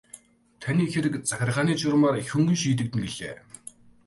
Таны хэрэг захиргааны журмаар их хөнгөн шийдэгдэнэ гэлээ.